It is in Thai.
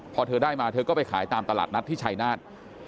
พอเธอได้มาเธอก็ไปขายตามตลาดนัดที่ชายนาฏ